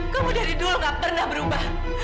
kamu dari dulu gak pernah berubah